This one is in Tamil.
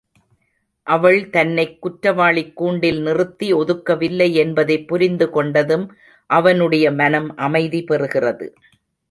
அவள் தன்னைக் குற்றவாளிக் கூண்டில் நிறுத்தி ஒதுக்கவில்லை என்பதைப் புரிந்துகொண்டதும், அவனுடைய மனம் அமைதி பெறுகிறது.